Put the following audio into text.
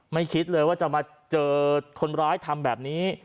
คิดเลยว่าจะมาเจอคนร้ายทำแบบนี้